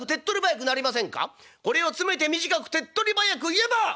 「これを詰めて短く手っとり早く言えば！